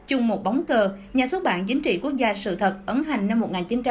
chung một bóng cờ nhà xuất bản chính trị quốc gia sự thật ấn hành năm một nghìn chín trăm tám mươi